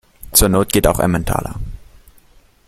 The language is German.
Zur Not geht auch Emmentaler.